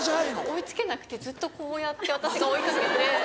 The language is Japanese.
追い付けなくてずっとこうやって私が追いかけて。